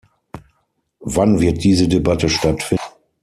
Wann wird diese Debatte stattfinden?